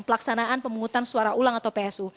pelaksanaan pemungutan suara ulang atau psu